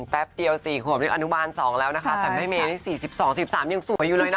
แป๊บเดียว๔ขวบนี่อนุบาล๒แล้วนะคะแต่แม่เมนี่๔๒๑๓ยังสวยอยู่เลยนะ